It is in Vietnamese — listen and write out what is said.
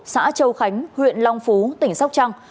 xã châu khánh huyện long phú tỉnh sóc trăng